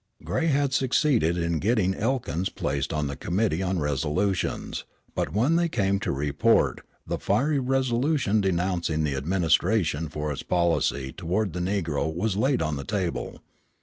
Gray had succeeded in getting Elkins placed on the committee on resolutions, but when they came to report, the fiery resolution denouncing the administration for its policy toward the negro was laid on the table.